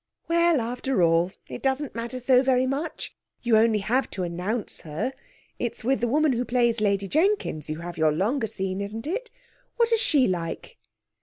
'Well, after all, it doesn't matter so very much. You only have to announce her. It's with the woman who plays Lady Jenkins you have your longer scene, isn't it? What is she like?'